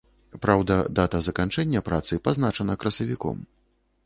Праўда, дата заканчэння працы пазначана красавіком.